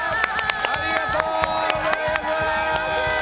ありがとうございます！